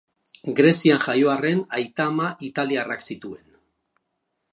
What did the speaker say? Grezian jaio arren aita-ama italiarrak zituen.